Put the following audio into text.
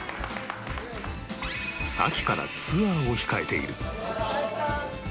秋からツアーを控えている